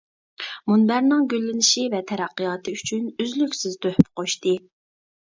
مۇنبەرنىڭ گۈللىنىشى ۋە تەرەققىياتى ئۈچۈن ئۈزلۈكسىز تۆھپە قوشتى!